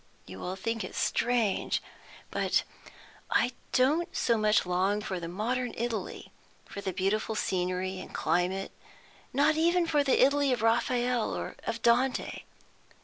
You will think it strange, but I don't so much long for the modern Italy, for the beautiful scenery and climate, not even for the Italy of Raphael, or of Dante.